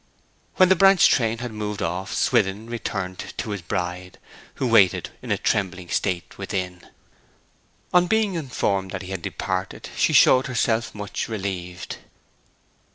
When the branch train had moved off Swithin returned to his bride, who waited in a trembling state within. On being informed that he had departed she showed herself much relieved.